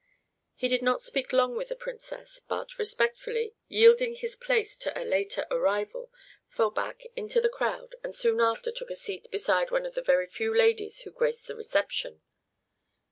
He did not speak long with the Princess, but, respectfully yielding his place to a later arrival, fell back into the crowd, and soon after took a seat beside one of the very few ladies who graced the reception.